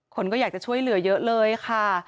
คนก็อยากจะช่วยเหลือเยอะเลยค่ะ